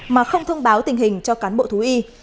mà không thông báo tình hình cho cán bộ thú y